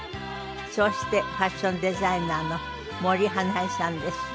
そしてファッションデザイナーの森英恵さんです。